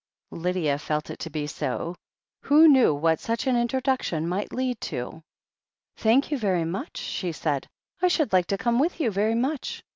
Lydia felt it to be so. Who knew what such an intro duction might lead to ? "Thank you very much," she said. "I should like to come with you very much.